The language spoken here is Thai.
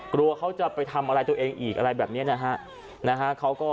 กลัวเขาจะไปทำอะไรตัวเองอีกอะไรแบบนี้นะฮะ